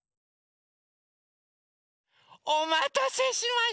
おまたせしました！